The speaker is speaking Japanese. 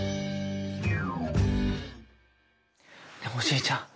ねえおじいちゃん